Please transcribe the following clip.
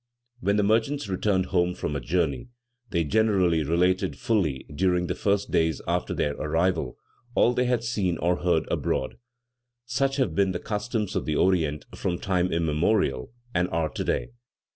When the merchants returned home from a journey, they generally related fully during the first days after their arrival, all they had seen or heard abroad. Such have been the customs of the Orient, from time immemorial, and are today.